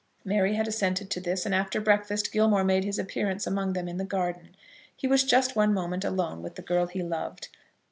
Mary had assented to this, and, after breakfast, Gilmore made his appearance among them in the garden. He was just one moment alone with the girl he loved.